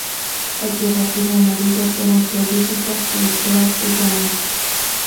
La tierra azul y amarilla fueron prolíficas productoras de diamantes.